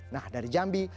nah dari jambi